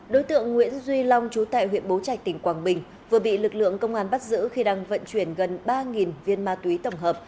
đối tượng nguyễn duy long chú tại huyện bố trạch tỉnh quảng bình vừa bị lực lượng công an bắt giữ khi đang vận chuyển gần ba viên ma túy tổng hợp